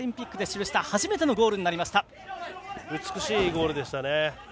美しいゴールでした。